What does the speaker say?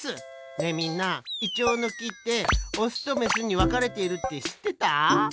ねえみんなイチョウのきってオスとメスにわかれているってしってた？